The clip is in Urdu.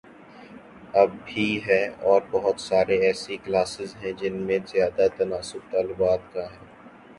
اب بھی ہے اور بہت ساری ایسی کلاسز ہیں جن میں زیادہ تناسب طالبات کا ہے۔